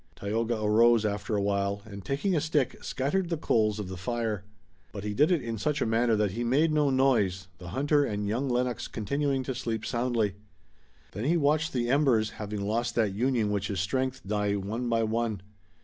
Tayoga arose, after a while, and taking a stick, scattered the coals of the fire. But he did it in such a manner that he made no noise, the hunter and young Lennox continuing to sleep soundly. Then he watched the embers, having lost that union which is strength, die one by one.